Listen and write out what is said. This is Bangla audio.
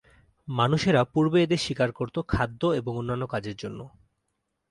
মানুষেরা পূর্বে এদের শিকার করত খাদ্য এবং অন্যান্য কাজের জন্য।